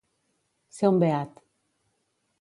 Ser un beat.